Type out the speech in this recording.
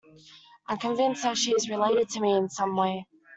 I'm convinced that she is related to me in some way.